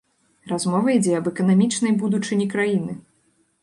Размова ідзе аб эканамічнай будучыні краіны.